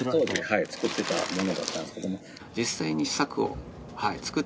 作ってたものだったんですけども。